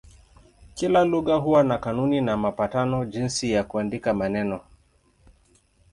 Kila lugha huwa na kanuni na mapatano jinsi ya kuandika maneno.